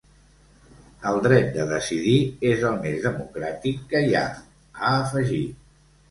El dret de decidir és el més democràtic que hi ha, ha afegit.